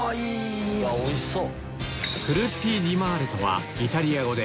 おいしそう！